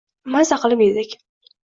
Maza qilib yedik.